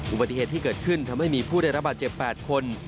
อุบัติเหตุที่เกิดขึ้นทำให้มีผู้ได้รับบาดเจ็บ๘คน